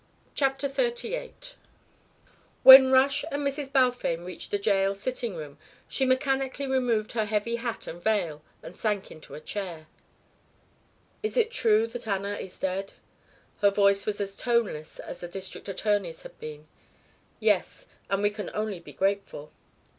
CHAPTER XXXVIII When Rush and Mrs. Balfame reached the jail sitting room she mechanically removed her heavy hat and veil and sank into a chair. "Is it true that Anna is dead?" Her voice was as toneless as the district attorney's had been. "Yes and we can only be grateful."